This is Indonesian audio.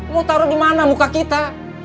mau taruh dimana muka kita